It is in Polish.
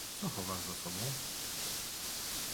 "co chowasz za sobą?"